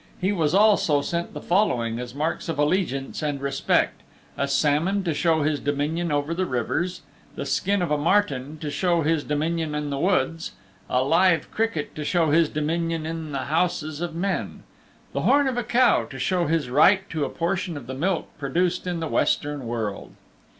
He was also sent the following as marks of allegiance and respect: a salmon, to show his dominion over the rivers; the skin of a marten to show his dominion in the woods; a live cricket to show his dominion in the houses of men; the horn of a cow, to show his right to a portion of the milk produced in the Western World.